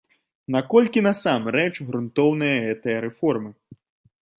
Наколькі насамрэч грунтоўныя гэтыя рэформы?